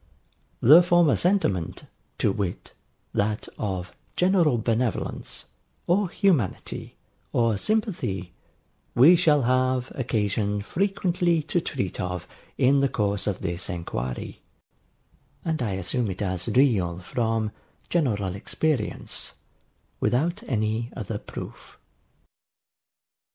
The former sentiment, to wit, that of general benevolence, or humanity, or sympathy, we shall have occasion frequently to treat of in the course of this inquiry; and I assume it as real, from general experience, without any other proof.